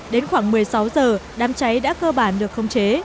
đến khoảng một mươi sáu h đám cháy đã cơ bản được không chế